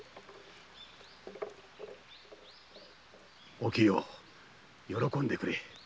おきよ喜んでくれ。